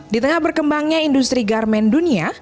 di tengah berkembangnya industri garmen dunia